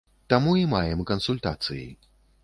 Таму і маем кансультацыі.